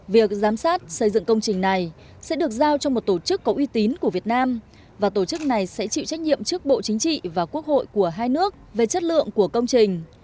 việc giám sát xây dựng công trình này sẽ được giao cho một tổ chức có uy tín của việt nam và tổ chức này sẽ chịu trách nhiệm trước bộ chính trị và quốc hội của hai nước về chất lượng của công trình